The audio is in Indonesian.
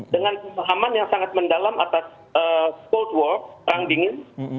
dengan pemahaman yang sangat mendalam atas cold war perang dingin